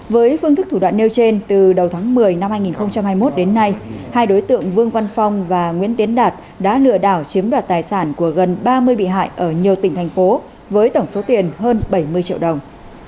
với phương thức thủ đoạn nêu trên từ đầu tháng một mươi năm hai nghìn hai mươi một đến nay hai đối tượng vương văn phong và nguyễn tiến đạt đã lừa đảo chiếm đoạt tài sản của gần ba mươi bị hại ở nhiều tỉnh thành phố với tổng số tiền hơn bảy mươi triệu đồng